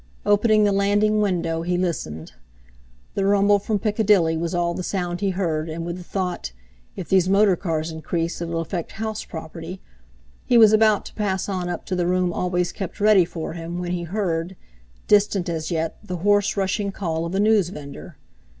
Opening the landing window, he listened. The rumble from Piccadilly was all the sound he heard, and with the thought, "If these motor cars increase, it'll affect house property," he was about to pass on up to the room always kept ready for him when he heard, distant as yet, the hoarse rushing call of a newsvendor.